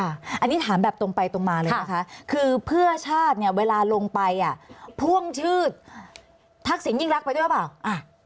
อันนี้ถามแบบตรงไปตรงมาเลยนะคะคือเพื่อชาติเนี่ยเวลาลงไปอ่ะพ่วงชื่อทักษิณยิ่งรักไปด้วยหรือเปล่า